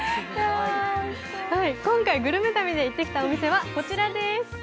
今回グルメ旅で行ってきたお店は、こちらです。